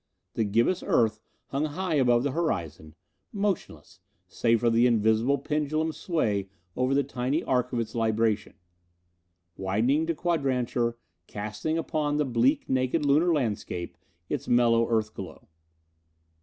The gibbous Earth hung high above the horizon, motionless, save for the invisible pendulum sway over the tiny arc, of its libration: widening to quadrature, casting upon the bleak naked Lunar landscape its mellow Earth glow.